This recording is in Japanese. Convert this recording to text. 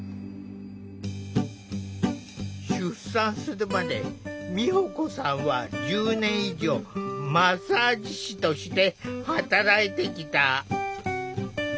出産するまで美保子さんは１０年以上マッサージ師として働いてきた。